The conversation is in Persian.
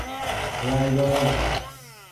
رای دادن